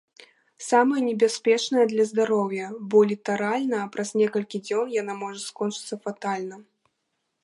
Самая небяспечная для здароўя, бо літаральна праз некалькі дзён яна можа скончыцца фатальна.